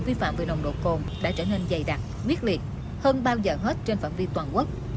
vi phạm về nồng độ cồn đã trở nên dày đặc quyết liệt hơn bao giờ hết trên phạm vi toàn quốc